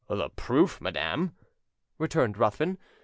"The proof, madam?" returned Ruthven.